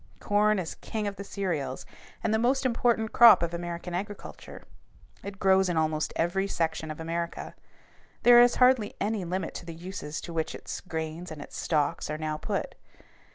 Corn is king of the cereals and the most important crop of American agriculture. It grows in almost every section of America. There is hardly any limit to the uses to which its grain and its stalks are now put.